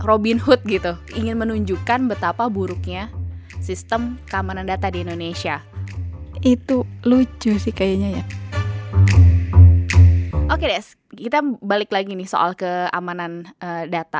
oke guys kita balik lagi nih soal keamanan data